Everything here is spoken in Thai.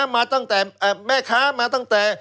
มาตั้งแต่แม่ค้ามาตั้งแต่